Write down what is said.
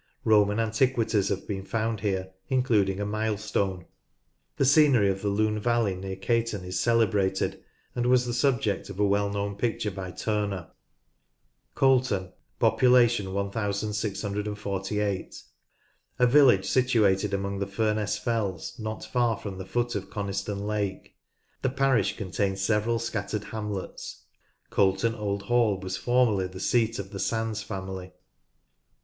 Roman antiquities have been found here, including a milestone. The scenerj of 166 NORTH LANCASHIRE the Lune valley near Caton is celebrated, and was the subject of a well known picture by Turner, (pp. 54, 117.) Colton (1648). A village situated among the Furness Fells, not far from the foot of Coniston Lake. The parish contains several scattered hamlets. Colton Old Hall was formerly the seat of the Sandys family, (p.